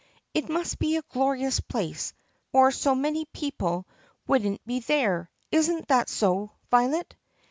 "It must be a glorious place or so many people would n't be there. Is n't that so, Violet?"